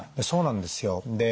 そうなんですよ。